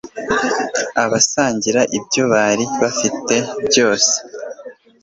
abasangiraga ibyo bari bafite byose